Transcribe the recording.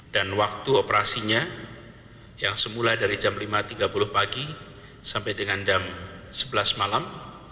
dan waktu operasinya yang semula dari jam lima tiga puluh pagi sampai dengan jam sebelas